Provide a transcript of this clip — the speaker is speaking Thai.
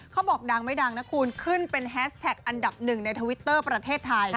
เขาบอกดังไม่ดังนะคุณขึ้นเป็นแฮสแท็กอันดับหนึ่งในทวิตเตอร์ประเทศไทย